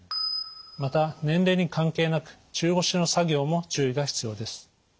また年齢に関係なく中腰の作業も注意が必要です。